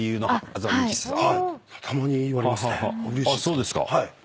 そうですか。